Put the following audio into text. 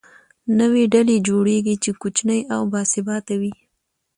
نوې ډلې جوړېږي، چې کوچنۍ او باثباته وي.